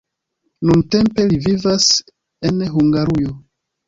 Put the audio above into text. Nuntempe li vivas en Hungarujo.